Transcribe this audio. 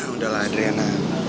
udah lah adriana